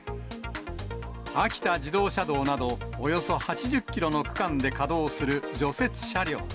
秋田自動車道など、およそ８０キロの区間で稼働する除雪車両。